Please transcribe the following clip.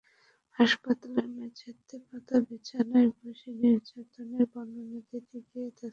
হাসপাতালের মেঝেতে পাতা বিছানায় বসে নির্যাতনের বর্ণনা দিতে গিয়ে তাসকিনা কান্নায় ভেঙে পড়ে।